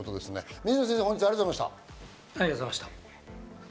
水野先生、本日はありがとうございました。